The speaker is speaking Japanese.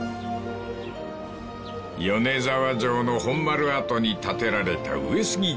［米沢城の本丸跡に建てられた］